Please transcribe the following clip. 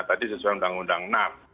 tadi sesuai undang undang enam